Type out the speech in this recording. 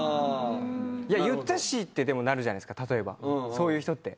「いや言ったし」ってでもなるじゃないですか例えばそういう人って。